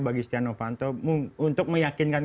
bagi setia novanto untuk meyakinkan